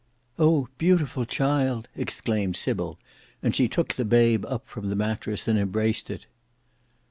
"Oh! beautiful child!" exclaimed Sybil; and she took the babe up from the mattress and embraced it.